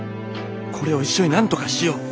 これを一緒になんとかしよう！